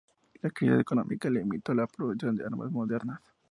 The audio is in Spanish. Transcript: La crisis económica limitó la producción de armas modernas.